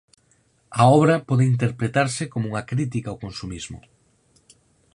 A obra pode interpretarse coma unha crítica ao consumismo.